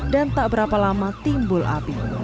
tak berapa lama timbul api